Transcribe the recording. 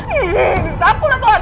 ih takut lah tante